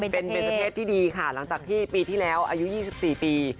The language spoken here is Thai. เป็นเบนเจอร์เพศที่ดีค่ะหลังจากที่ปีที่แล้วอายุ๒๔ปี